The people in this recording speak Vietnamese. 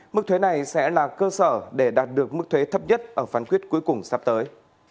mức thuế này sẽ là cơ sở để đạt được mức thuế thấp nhất ở phán quyết cuối cùng sắp tới